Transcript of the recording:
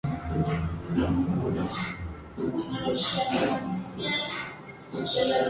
Las principales exportaciones de Estonia son maquinaria, equipos electrónicos, madera y textiles.